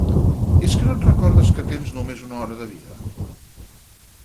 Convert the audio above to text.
És que no et recordes que tens només una hora de vida?